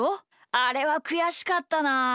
あれはくやしかったなあ。